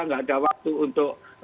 nggak ada waktu untuk